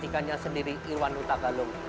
sangkutnya sendiri irwan utagalung